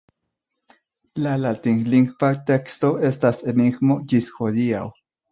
La latinlingva teksto estas enigmo ĝis hodiaŭ.